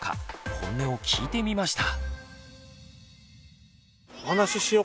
ホンネを聞いてみました。